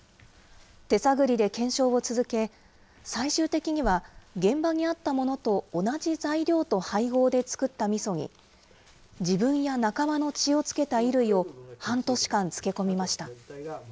手探りで検証を続け、最終的には現場にあったものと同じ材料と配合で作ったみそに、自分や仲間の血を付けた衣類を、半年間漬け込みました。